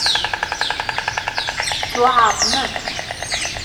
Tettwaεrḍem akk.